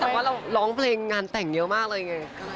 แต่ว่าเราร้องเพลงงานแต่งเยอะมากเลยไง